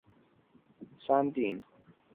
东西梳妆楼均为两层三檐歇山顶。